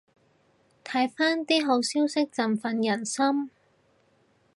睇返啲好消息振奮人心